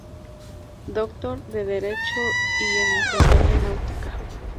Doctor en Derecho y en Ingeniería Náutica.